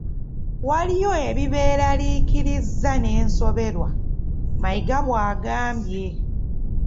"Waliyo ebibeeraliikiriza n'ensoberwa," Mayiga bwagambye.